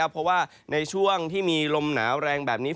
เพราะว่าในช่วงที่มีลมหนาวแรงแบบนี้